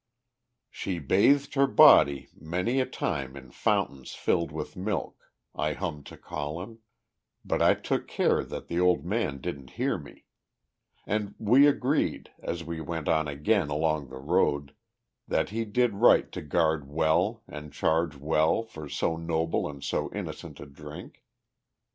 "She bathed her body many a time In fountains filled with milk." I hummed to Colin; but I took care that the old man didn't hear me. And we agreed, as we went on again along the road, that he did right to guard well and charge well for so noble and so innocent a drink.